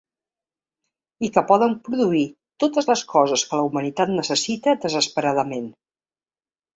I que poden produir totes les coses que la humanitat necessita desesperadament.